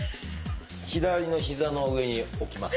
左の膝の上に置きますね。